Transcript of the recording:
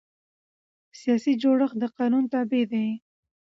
سیاسي جوړښت د قانون تابع دی